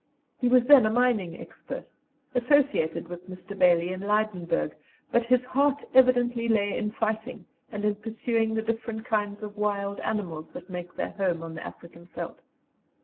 He was then a mining expert, associated with Mr. Bailey in Lydenburg, but his heart evidently lay in fighting and in pursuing the different kinds of wild animals that make their home on the African veldt.